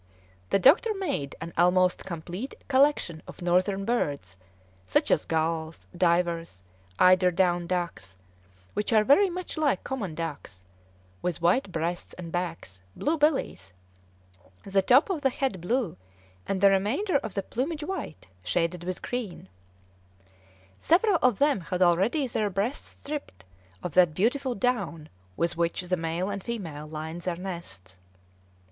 The doctor made an almost complete collection of northern birds, such as gulls, divers, eider down ducks, which are very much like common ducks, with white breasts and backs, blue bellies, the top of the head blue, and the remainder of the plumage white, shaded with green; several of them had already their breasts stripped of that beautiful down with which the male and female line their nests.